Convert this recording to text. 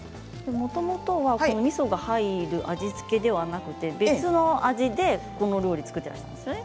もともとはみそが入る味付けではなく別の味で、この料理を作っていらしたんですよね。